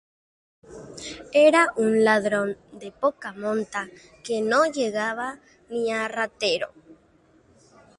Era un ladrón de poca monta que no llegaba ni a ratero